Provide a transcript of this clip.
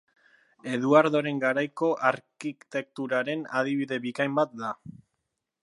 Eduardoren garaiko arkitekturaren adibide bikain bat da.